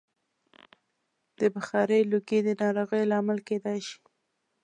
د بخارۍ لوګی د ناروغیو لامل کېدای شي.